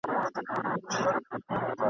د پیر بابا له برکته بارانونه لیکي ..